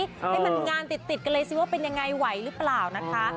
ให้มันงานติดกันเลยสิว่าเป็นยังไงไหวหรือเปล่านะคะ